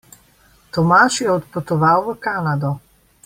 Tomaž je odpotoval v Kanado.